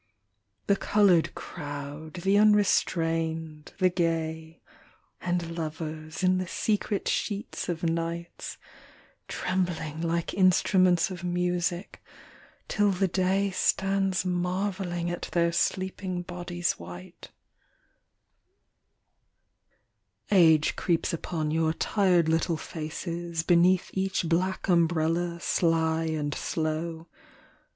The coloured crowd, the unrestrained, the gay, And lovers in the secret sheets of nights Trembling like instruments of music, till the day Stands marvelling at their sleeping bodies white. 40 Elders. Age creeps upon your tired little faces Beneath each black umbrella sly and slow.